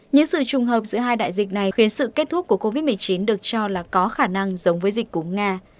những sự trùng hợp giữa hai đại dịch này khiến sự kết thúc của covid một mươi chín được cho là có khả năng giống với dịch của nga